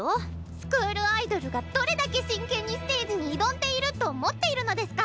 スクールアイドルがどれだけ真剣にステージに挑んでいると思っているのデスカ！